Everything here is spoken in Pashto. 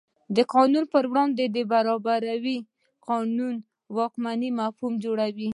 د قانون په وړاندې برابري قانون واکمنۍ مفهوم جوړوي.